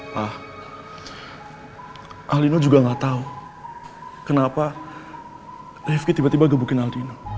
pak al dino juga gak tahu kenapa rifqi tiba tiba gebukin al dino